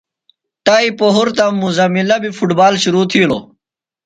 تائی پہُرتہ مزملہ بیۡ فُٹ بال شِرو تِھیلوۡ۔